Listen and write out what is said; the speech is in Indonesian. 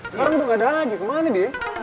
sekarang udah ga ada aja kemana dia